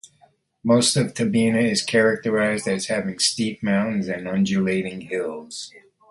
Most of Tabina is characterized as having steep mountains and undulating hills.